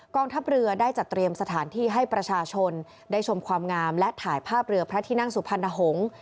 ทัพเรือได้จัดเตรียมสถานที่ให้ประชาชนได้ชมความงามและถ่ายภาพเรือพระที่นั่งสุพรรณหงษ์